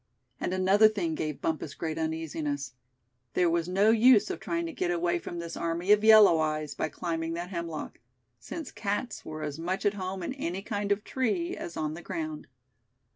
And another thing gave Bumpus great uneasiness; there was no use of trying to get away from this army of "yellow eyes" by climbing that hemlock; since cats were as much at home in any kind of tree as on the ground.